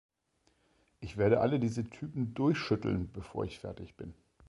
Ich werde alle diese Typen durchschütteln, bevor ich fertig bin.